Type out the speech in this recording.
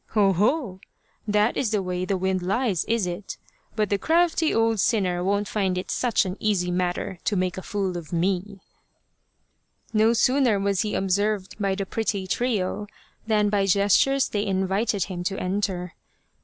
" O, ho ! that is the way the wind lies, is it, but the crafty old sinner won't find it such an easy matter to make a fool of me." 268 The Badger Haunted Temple No sooner was he observed by the pretty trio than by gestures they invited him to enter.